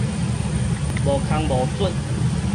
無空無榫